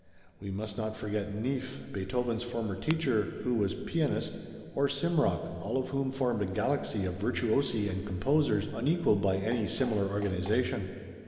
We must not forget Neefe, Beethoven's former teacher, who was pianist, or Simrock, all of whom formed a galaxy of virtuosi and composers unequalled by any similar organization.